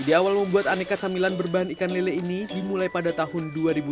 ide awal membuat aneka camilan berbahan ikan lele ini dimulai pada tahun dua ribu dua belas